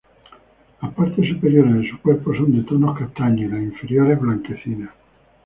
Las partes superiores de su cuerpo son de tonos castaños y las inferiores blanquecinas.